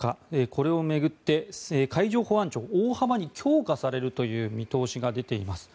これを巡って海上保安庁大幅に強化されるという見通しが出ています。